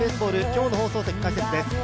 今日の放送席解説です。